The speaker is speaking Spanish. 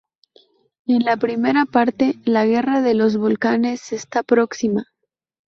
En la primera parte, la Guerra de los Balcanes está próxima.